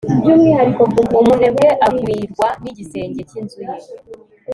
umunebwe agwirwa n'igisenge cy'inzu ye